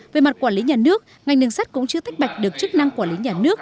về mặt quản lý nhà nước ngành đường sắt cũng chưa tách bạch được chức năng quản lý nhà nước